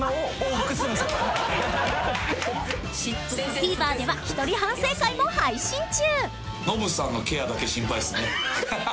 ［ＴＶｅｒでは一人反省会も配信中］